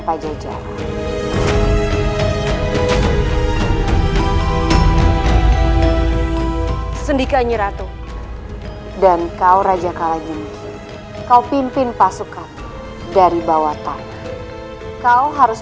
pajajaran sendikanya ratu dan kau raja kalajunji kau pimpin pasukan dari bawah tangan kau harus